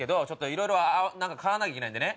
いろいろ買わなきゃいけないんでね。